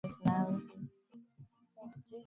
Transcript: Anacheka vibaya sana